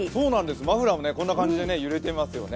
マフラーもこんな感じで揺れてますよね。